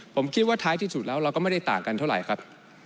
ผมคิดว่าท้ายที่สุดแล้วเราก็ไม่ได้ต่างกันเท่าไหร่ครับ